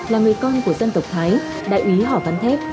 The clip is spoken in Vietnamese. là người con của dân tộc thái đại úy hò văn thép